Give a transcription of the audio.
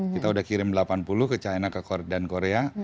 kita sudah kirim delapan puluh ke china dan korea